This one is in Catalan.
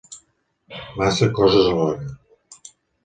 Massa coses alhora.